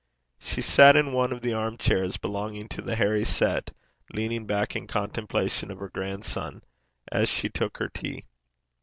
She sat in one of the arm chairs belonging to the hairy set, leaning back in contemplation of her grandson, as she took her tea.